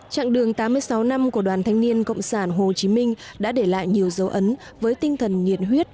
trạng đường tám mươi sáu năm của đoàn thanh niên cộng sản hồ chí minh đã để lại nhiều dấu ấn với tinh thần nhiệt huyết